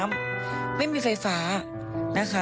ไม่มีไฟฟ้านะคะ